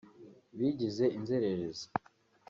bigize inzererezi